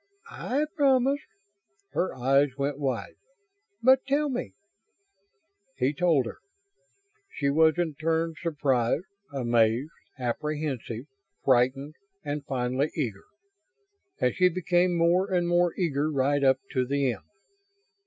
"I promise." Her eyes went wide. "But tell me!" He told her. She was in turn surprised, amazed, apprehensive, frightened and finally eager; and she became more and more eager right up to the end.